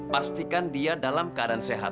pastikan dia dalam keadaan sehat